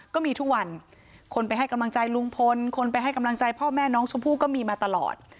ก็มีทุกวันคนไปให้กำลังใจลุงพลคนไปให้กำลังใจพ่อแม่น้องชมพู่ก็มีมาตลอด